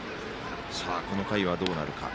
この回はどうなるか。